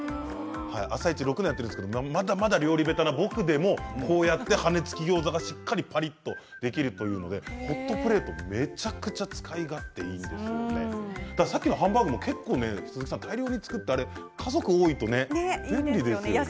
「あさイチ」６年やっているんですがまだまだ料理下手な僕でもこうやって羽根付きギョーザがしっかりパリっとできるというのでホットプレートめちゃめちゃ使い勝手がいいのでさっきのハンバーグも大量に作って、家族が多いと便利ですよね。